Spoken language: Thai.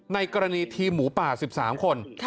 ในกรณีทีมหมูป่า๑๓คน